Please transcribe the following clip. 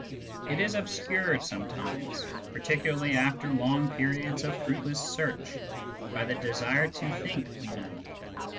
It is obscured some times — particularly after long periods of fruitless search — by the desire to think we know.